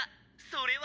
それは」。